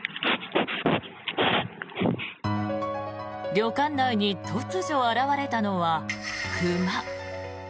旅館内に突如、現れたのは熊。